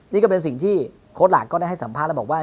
นี่ก็เป็นสิ่งที่โค้ดหลักก็ได้ให้สัมภาษณ์แล้วบอกว่า